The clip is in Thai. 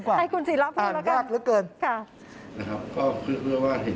ขอบคุณครับ